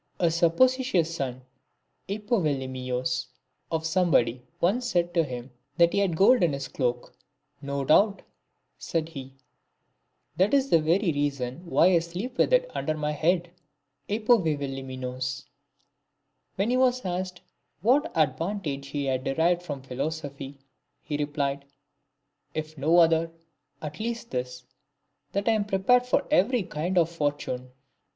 A suppo sititious son (ucro/SoX/^a/og) of somebody once said to him, that he had gold in his cloak ;" No doubt," said he, " that is the very reason why I sleep with it under my head (uTo/Ss/Sx^ /ASVOS)" When he was asked what advantage he had derived from philosophy, he replied, " If no other, at least this, that I am prepared for every kind of fortune."